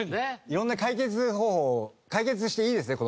色んな解決方法解決していいですね